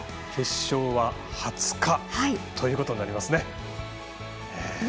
決勝は２０日ということになりますね。